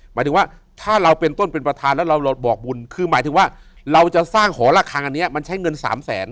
หมายถึงว่าถ้าเราเป็นต้นเป็นประธานแล้วเราบอกบุญคือหมายถึงว่าเราจะสร้างหอละครั้งอันนี้มันใช้เงิน๓แสน